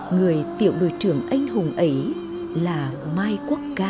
người tiểu đội trưởng anh hùng ấy là mai quốc ca